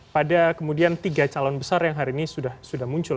pada kemudian tiga calon besar yang hari ini sudah muncul